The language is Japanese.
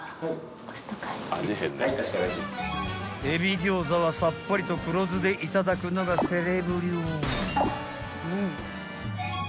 ［エビ餃子はさっぱりと黒酢でいただくのがセレブ流］